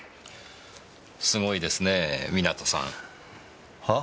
すごいですねぇ港さん。は？